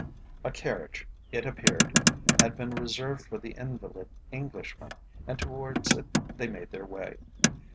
A carriage, it appeared, had been reserved for the invalid Englishman, and towards it they made their way.